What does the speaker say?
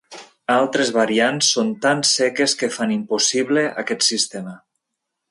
Altres variants són tan seques que fan impossible aquest sistema.